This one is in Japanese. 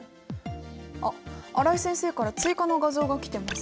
あ新井先生から追加の画像が来てます。